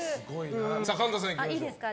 さあ、神田さんいきましょうか。